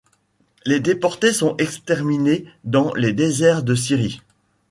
Les déportés sont exterminés dans les déserts de Syrie.